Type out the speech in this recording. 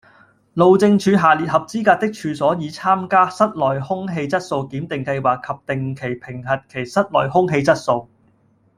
路政署下列合資格的處所已參加室內空氣質素檢定計劃及定期評核其室內空氣質素